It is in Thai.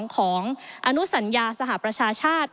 ของอนุสัญญาสหประชาชาติ